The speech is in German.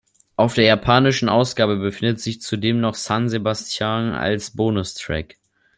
Auf der japanischen Ausgabe befindet sich zudem noch "San Sebastian" als Bonustrack.